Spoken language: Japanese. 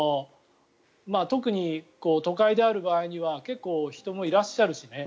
特に都会である場合には結構、人もいらっしゃるしね。